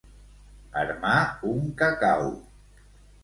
Armar un cacau.